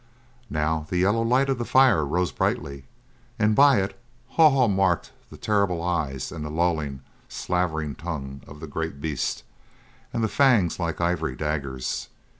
Now the yellow light of the fire rose brightly, and by it Haw Haw marked the terrible eyes and the lolling, slavering tongue of the great beast, and the fangs like ivory daggers.